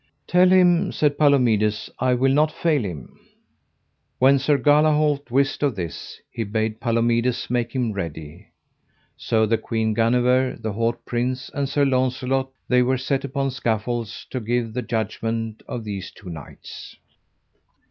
Tell him, said Palomides, I will not fail him. When Sir Galahalt wist of this, he bade Palomides make him ready. So the Queen Guenever, the haut prince, and Sir Launcelot, they were set upon scaffolds to give the judgment of these two knights.